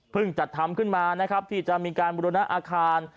จัดทำขึ้นมานะครับที่จะมีการบุรณะอาคาร